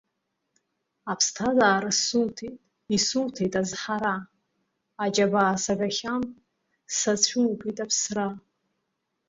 Аԥсҭазаара суҭеит, исуҭеит азҳара, аџьабаа сагахьан, сацәугеит аԥсра.